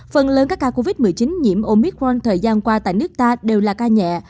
phần lớn các ca covid một mươi chín nhiễm omicron thời gian qua tại nước ta đều là ca nhẹ